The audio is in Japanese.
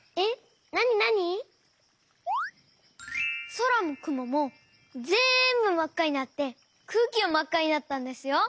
そらもくももぜんぶまっかになってくうきもまっかになったんですよ！